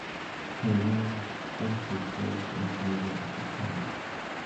Hollande also served as mayor of the town.